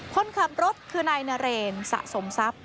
คนขับรถคือนายนเรนสะสมทรัพย์